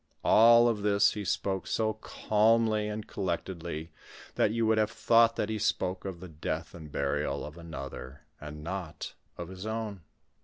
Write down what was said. Of all this he spoke so calmly and collect edly, that you would have thought that he spoke of the death and burial of another, and not of his own.